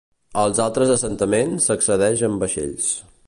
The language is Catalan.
Als altres assentaments s'accedeix amb vaixells.